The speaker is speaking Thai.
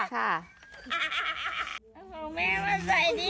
ของแม่มาใส่ที่